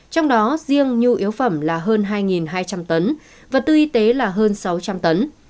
trong đó riêng nhu yếu phẩm là hơn hai hai trăm linh tấn vật tư y tế là hơn sáu trăm linh tấn